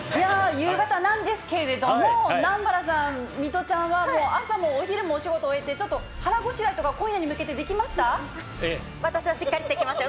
夕方なんですけれども、南原さん、水卜ちゃんは、朝もお昼もお仕事終えて、ちょっと腹ごしらえとか、私はしっかりしてきましたよ。